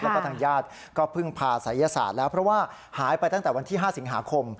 แล้วก็ทางญาติก็พึ่งพาศัยศาสตร์แล้วเพราะว่าหายไปตั้งแต่วันที่๕สิงหาคม